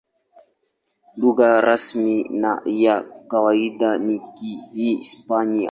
Lugha rasmi na ya kawaida ni Kihispania.